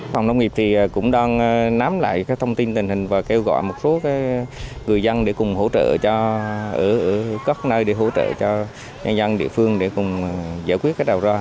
phòng nông nghiệp cũng đang nắm lại thông tin tình hình và kêu gọi một số người dân để cùng hỗ trợ cho nhân dân địa phương để cùng giải quyết đầu ra